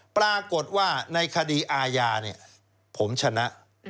ปรากฏว่าในคดีอาญาผมชนะ